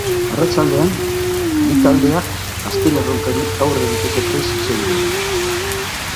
Arratsaldean, bi taldeak azken erronkari aurre egiteko prest zeuden.